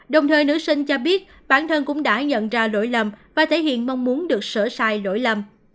đồng thời nữ sinh cho biết bản thân cũng đã nhận ra lỗi lầm và thể hiện mong muốn được sở sai lỗi lầm